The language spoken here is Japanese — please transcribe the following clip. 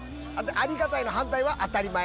「ありがたい」の反対は「当たり前」。